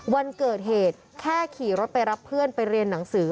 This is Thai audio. วันเกิดเหตุแค่ขี่รถไปรับเพื่อนไปเรียนหนังสือ